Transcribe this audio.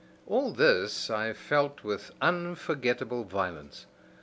"All this I felt with unforgettable violence.